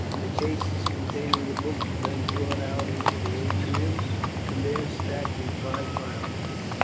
The cases containing the books were then brought out into the atrium, and there stacked in five piles.